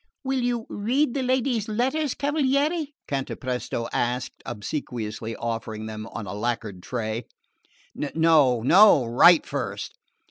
"Will you read the lady's letters, cavaliere?" Cantapresto asked, obsequiously offering them on a lacquered tray. "No no: write first.